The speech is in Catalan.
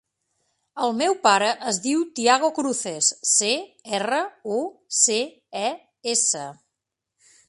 El meu pare es diu Thiago Cruces: ce, erra, u, ce, e, essa.